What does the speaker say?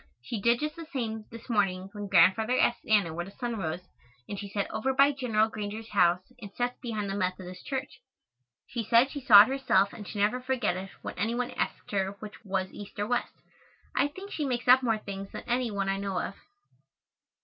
She did just the same, this morning, when Grandfather asked Anna where the sun rose, and she said "over by Gen. Granger's house and sets behind the Methodist church." She said she saw it herself and should never forget it when any one asked her which was east or west. I think she makes up more things than any one I know of.